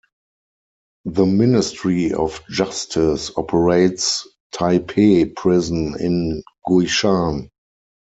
The Ministry of Justice operates Taipei Prison in Guishan.